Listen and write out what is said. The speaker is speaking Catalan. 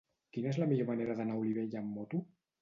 Quina és la millor manera d'anar a Olivella amb moto?